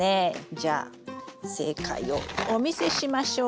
じゃあ正解をお見せしましょう。